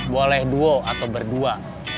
boleh duo atau berdua